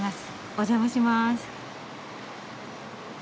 お邪魔します。